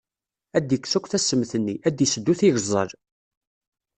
Ad d-ikkes akk tassemt-nni, ad d-iseddu tigeẓẓal.